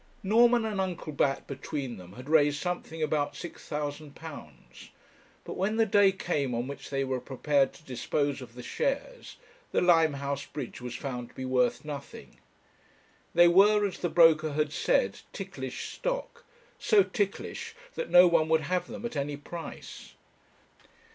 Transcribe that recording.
Norman and Uncle Bat between them had raised something about £6,000; but when the day came on which they were prepared to dispose of the shares, the Limehouse bridge was found to be worth nothing. They were, as the broker had said, ticklish stock; so ticklish that no one would have them at any price.